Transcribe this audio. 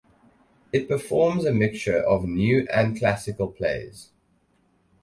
It performs a mixture of new and classical plays.